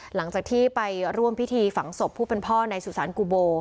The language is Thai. หลังจากที่ไปร่วมพิธีฝังศพผู้เป็นพ่อในสุสานกุโบ